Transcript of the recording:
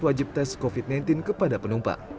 wajib tes covid sembilan belas kepada penumpang